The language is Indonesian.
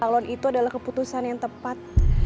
calon itu adalah keputusan yang tepat